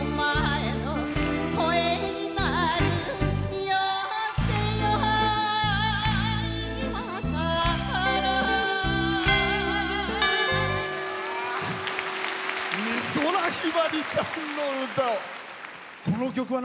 美空ひばりさんの歌を。